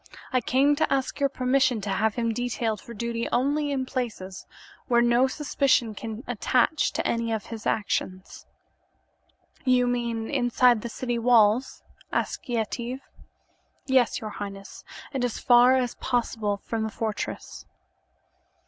I come to ask your permission to have him detailed for duty only in places where no suspicion can attach to any of his actions." "You mean inside the city walls?" asked Yetive. "Yes, your highness, and as far as possible from the fortress."